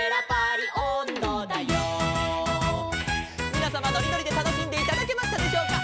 「みなさまのりのりでたのしんでいただけましたでしょうか」